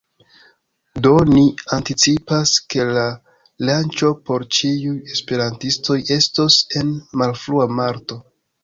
Do, ni anticipas, ke la lanĉo por ĉiuj esperantistoj estos en malfrua marto